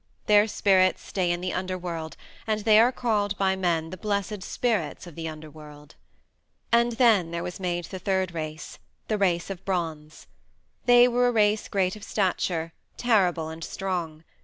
Their spirits stay in the Underworld, and they are called by men the blessed spirits of the Underworld. And then there was made the third race the Race of Bronze. They were a race great of stature, terrible and strong.